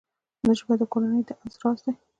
ژبه د کورنۍ د انس راز دی